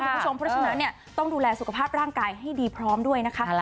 เพราะฉะนั้นต้องดูแลสุขภาพร่างกายให้ดีพร้อมด้วยนะคะ